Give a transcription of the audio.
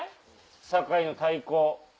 酒井の太鼓